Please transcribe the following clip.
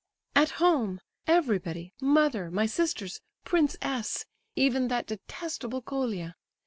"At home, everybody, mother, my sisters, Prince S., even that detestable Colia!